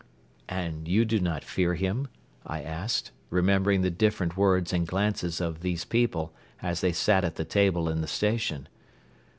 "And you do not fear him?" I asked, remembering the different words and glances of these people as they sat at the table in the station.